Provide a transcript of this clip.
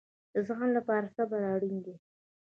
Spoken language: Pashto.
د زغم لپاره صبر اړین دی